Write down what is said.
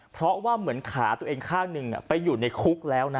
เพราะว่าเหมือนขาตัวเองข้างหนึ่งไปอยู่ในคุกแล้วนะ